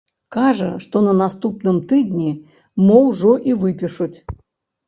Кажа, што на наступным тыдні мо ўжо і выпішуць.